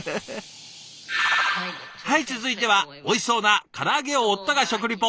はい続いてはおいしそうなから揚げを夫が食リポ。